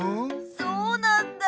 そうなんだよ。